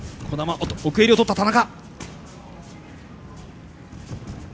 奥襟をとった田中。